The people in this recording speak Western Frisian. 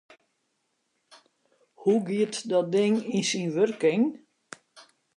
Hoe giet dat ding yn syn wurking?